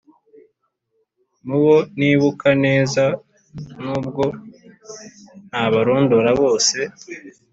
mu bo nibuka neza nubwo ntabarondora bose,